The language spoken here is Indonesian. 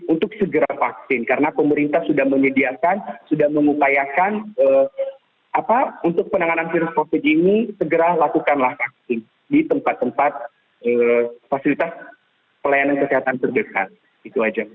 untuk segera vaksin karena pemerintah sudah menyediakan sudah mengupayakan untuk penanganan virus covid ini segera lakukanlah vaksin di tempat tempat fasilitas pelayanan kesehatan terdekat